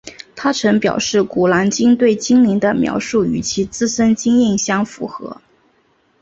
她曾表示古兰经对精灵的描述与其自身经验相符合。